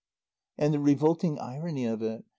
The revolting irony of it!